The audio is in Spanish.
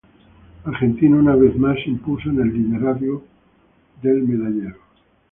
Argentina una vez más se impuso en el liderato del medallero.